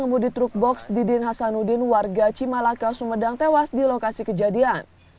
pengemudi truk box didin hasanuddin warga cimalaka sumedang tewas di lokasi kejadian